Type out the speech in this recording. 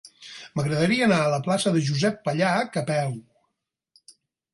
M'agradaria anar a la plaça de Josep Pallach a peu.